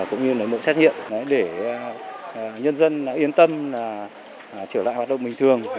cũng như nấy mẫu xét hiện để nhân dân yên tâm trở lại hoạt động bình thường